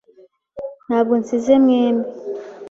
Ntabwo nsize mwembi.